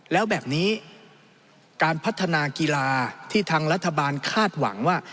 แล้วแบบนี้การพัฒนากีฬาที่ทางรัฐบาลคาดหวังว่า